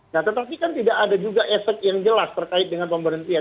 nah tetapi kan tidak ada juga efek yang jelas terkait dengan pemberhentian